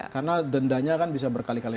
karena dendanya kan bisa berkali kali